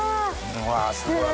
うわすごい。